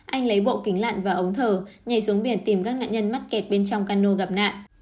anh lấy bộ kính lặn và ống thờ nhảy xuống biển tìm các nạn nhân mắc kẹt bên trong cano gặp nạn